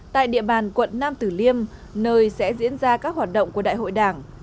tại địa bàn quận nam tử liêm nơi sẽ diễn ra các hoạt động của đại hội đảng